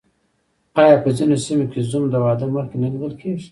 آیا په ځینو سیمو کې زوم د واده مخکې نه لیدل کیږي؟